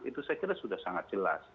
itu saya kira sudah sangat jelas